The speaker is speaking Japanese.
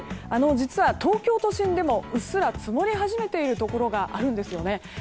実は、東京都心でもうっすら積もり始めているところがあるんですよね。